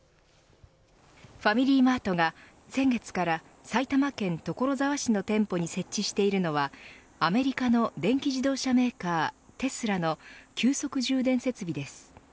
ファミリーマートが先月から埼玉県所沢市の店舗に設置しているのはアメリカの電気自動車メーカーテスラの急速充電設備です。